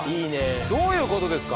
どういうことですか？